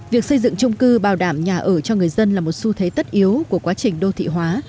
việc xây dựng trung cư bảo đảm nhà ở cho người dân là một xu thế tất yếu của quá trình đô thị hóa